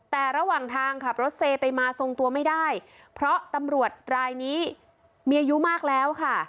แต่ระหว่างทางขับรถเซไปมาทรงตัวไม่ได้เพราะตำรวจรายนี้มีอายุมากแล้วค่ะ